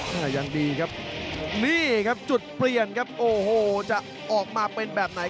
ยังดีครับนี่ครับจุดเปลี่ยนครับโอ้โหจะออกมาเป็นแบบไหน